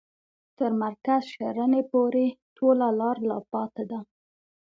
تر مرکز شرنې پوري ټوله لار لا پاته ده.